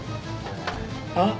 あっ！